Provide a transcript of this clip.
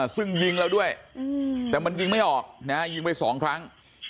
ซึ่งยิงเราด้วยแต่มันยิงไม่ออกนะฮะยิงไปสองครั้ง